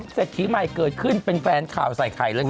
ให้พี่เศรษฐีใหม่เกิดขึ้นเป็นแฟนข่าวใส่ไข่ละครับ